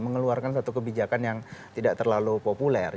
mengeluarkan satu kebijakan yang tidak terlalu populer